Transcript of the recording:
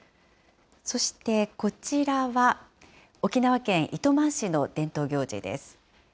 そしてこちらは、沖縄県糸満市の伝統行事です。